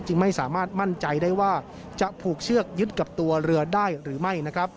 ไม่สามารถมั่นใจได้ว่าจะผูกเชือกยึดกับตัวเรือได้หรือไม่นะครับ